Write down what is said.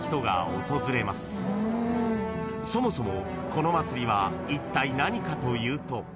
［そもそもこの祭りはいったい何かというと］